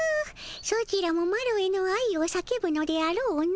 ソチらもマロへの愛を叫ぶのであろうの。